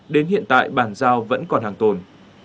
đến hiện tại bàn giao vẫn còn hàng tồn